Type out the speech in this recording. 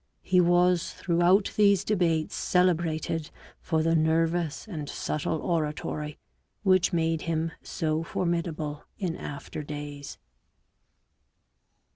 He was throughout these debates celebrated for the " nervous and subtle oratory" which made him so formidable in after days.